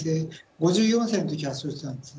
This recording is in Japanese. ５４歳の時発症したんですね。